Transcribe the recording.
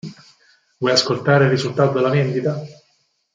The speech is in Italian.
Vuoi ascoltare il risultato della vendita?